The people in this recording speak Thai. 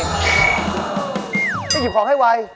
ไม่หยุดของให้ไว